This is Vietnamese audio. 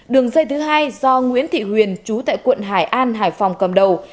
đường dây thứ hai do nguyễn thị huyền chú tại quận hải an hải phòng cầm đầu